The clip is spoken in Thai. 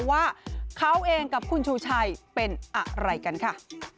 ว่าเขาเองกับคุณชูชัยเป็นอะไรกันค่ะ